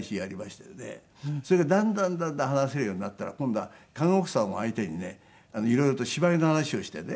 それがだんだんだんだん話せるようになったら今度は看護師さんを相手にね色々と芝居の話をしてね